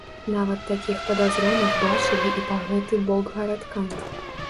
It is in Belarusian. Нават такіх падазроных бачылі і па гэты бок гарадка.